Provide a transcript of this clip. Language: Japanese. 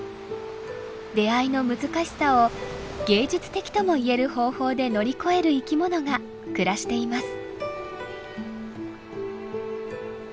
出会いの難しさを芸術的ともいえる方法で乗り越える生きものが暮らしています。